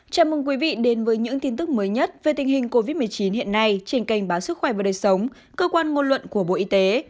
chào mừng quý vị đến với những tin tức mới nhất về tình hình covid một mươi chín hiện nay trên kênh báo sức khỏe và đời sống cơ quan ngôn luận của bộ y tế